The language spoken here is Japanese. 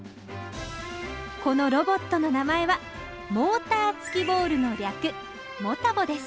このロボットの名前はモーター付きボールの略モタボです